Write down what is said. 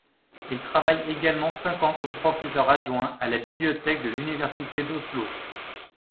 Il travaille également cinq ans comme professeur adjoint à la bibliothèque de l’Université d’Oslo.